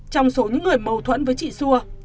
trong số những người mâu thuẫn với chị xua